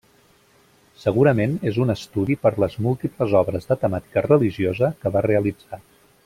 Segurament és un estudi per les múltiples obres de temàtica religiosa que va realitzar.